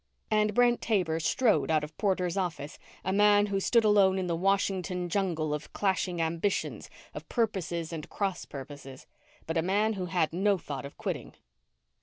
And Brent Taber strode out of Porter's office, a man who stood alone in the Washington jungle of clashing ambitions, of purposes and cross purposes but a man who had no thought of quitting.